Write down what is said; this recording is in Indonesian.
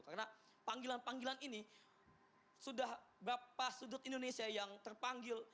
karena panggilan panggilan ini sudah berapa sudut indonesia yang terpanggil